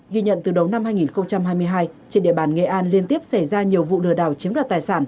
ghi nhận từ đầu năm hai nghìn hai mươi hai trên địa bàn nghệ an liên tiếp xảy ra nhiều vụ lừa đảo chiếm đoạt tài sản